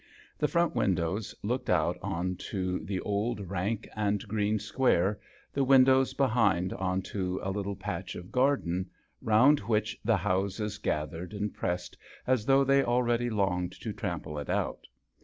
The front windows looked out on to the old rank and green square, the windows behind on to a little patch of garden round which the houses gathered and ^pressed as though they already llonged to trample it out.